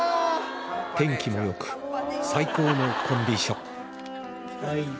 天気も良く最高のコンディション